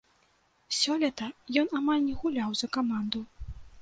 Сёлета ён амаль не гуляў за каманду.